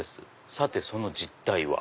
さてその実態は」。